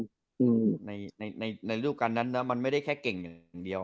ซึ่งไหนรูปการณ์นั้นมันไม่แค่เก่งเดียว